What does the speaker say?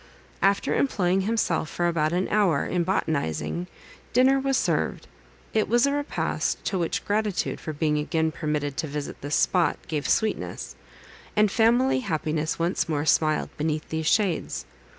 After employing himself, for about an hour, in botanizing, dinner was served. It was a repast, to which gratitude, for being again permitted to visit this spot, gave sweetness; and family happiness once more smiled beneath these shades.